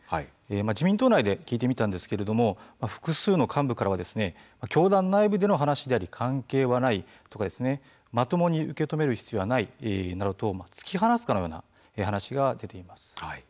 自民党内で聞いてみたんですが複数の幹部からは教団内部での話は関係はないとか、まともに受け止める必要はないなどと突き放すかのような話が出ています。